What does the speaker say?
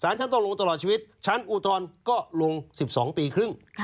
ฉันต้องลงตลอดชีวิตชั้นอุทธรณ์ก็ลง๑๒ปีครึ่ง